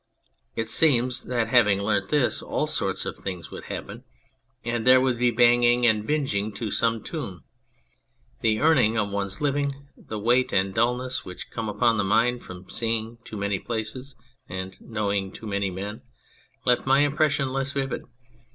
It seems that having learnt this, all sorts of things would happen, and there would be banging and bingeing to some tune. The earning of one's living, the weight and dullness which come upon the mind from seeing too many places and knowing too many men, left my impres sion less vivid.